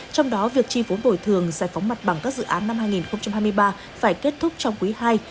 trong đó việc chi vốn bồi thường giải phóng mặt bằng các dự án năm hai nghìn hai mươi ba phải kết thúc trong quý ii